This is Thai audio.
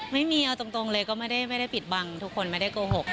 ไม่มีเอาตรงเลยก็ไม่ได้ปิดบังทุกคนไม่ได้โกหก